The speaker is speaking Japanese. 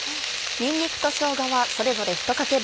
にんにくとしょうがはそれぞれ１かけ分。